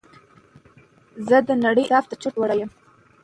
زه د نړۍ انصاف ته چورت وړى يمه